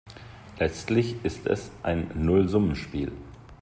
Letztlich ist es ein Nullsummenspiel.